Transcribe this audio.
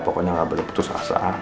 pokoknya gak boleh putus asa